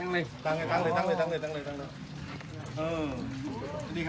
น้ำปลาบึกกับซ่าหมกปลาร่า